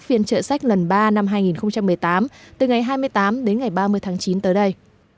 phiên trợ sách lần ba năm hai nghìn một mươi tám từ ngày hai mươi tám đến ngày ba mươi tháng chín tới đây